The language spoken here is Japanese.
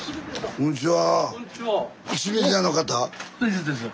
こんにちは。